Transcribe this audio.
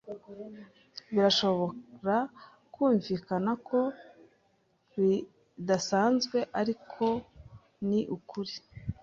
Birashobora kumvikana ko bidasanzwe, ariko ni ukuri.